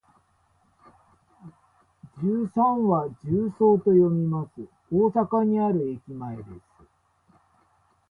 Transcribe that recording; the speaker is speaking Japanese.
十三は「じゅうそう」と読みます。大阪にある駅前です。